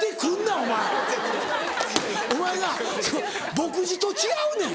お前な墨汁と違うねん。